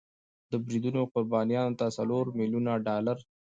د بریدونو قربانیانو ته څلور میلیون ډالر